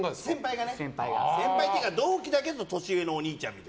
先輩というか同期だけど年上のお兄ちゃんがね。